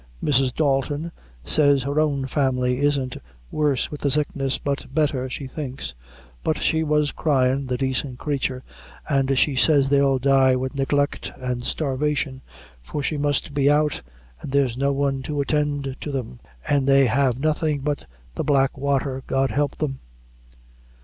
Mrs. Dalton says her own family isn't worse wid the sickness, but betther, she thinks; but she was cryin', the daicent craythur, and she says they'll die wid neglect and starvation, for she must be out, and there's no one to attend to them, and they have nothing but the black wather, God help them!"